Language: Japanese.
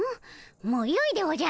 もうよいでおじゃる。